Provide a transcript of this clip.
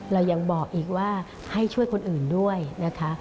เรายังบอกอีกว่าให้ช่วยคนอื่นด้วยนะคะ